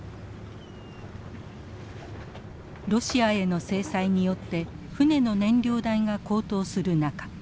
ロシアへの制裁によって船の燃料代が高騰する中